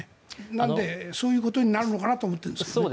なのでそういうことになるのかなと思っているんですが。